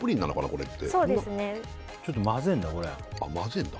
これってそうですねちょっと混ぜんだこれはあっ混ぜんだ